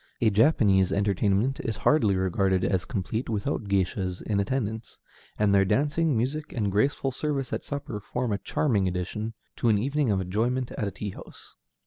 A Japanese entertainment is hardly regarded as complete without géishas in attendance, and their dancing, music, and graceful service at supper form a charming addition to an evening of enjoyment at a tea house.